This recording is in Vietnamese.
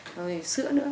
rồi sữa nữa